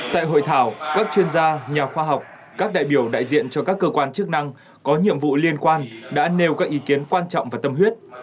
tại hội thảo các chuyên gia nhà khoa học các đại biểu đại diện cho các cơ quan chức năng có nhiệm vụ liên quan đã nêu các ý kiến quan trọng và tâm huyết